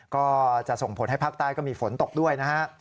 ก็จะส่งผลให้ภาคใต้ก็มีฝนตกด้วยนะฮะ